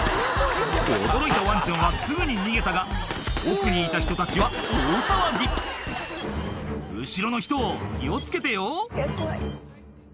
驚いたワンちゃんはすぐに逃げたが奥にいた人たちは大騒ぎ後ろの人気を付けてよ